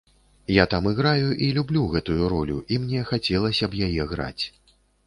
Я там граю і люблю гэтую ролю, і мне хацелася б яе граць.